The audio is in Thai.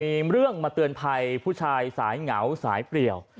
มีเรื่องมาเตือนภัยผู้ชายสายเหงาสายเปรียว